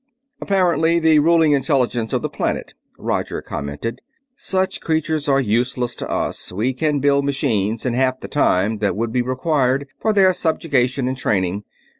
"Apparently the ruling intelligence of the planet," Roger commented. "Such creatures are useless to us; we can build machines in half the time that would be required for their subjugation and training.